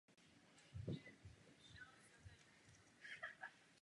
Konečný počet zveřejní agentura v polovině prosince.